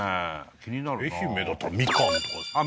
気になるな愛媛だったらみかんとかですかね？